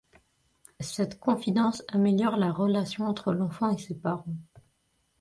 Cette confidence améliore la relation entre l’enfant et ses parents.